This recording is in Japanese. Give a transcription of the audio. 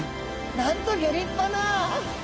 なんとギョ立派な！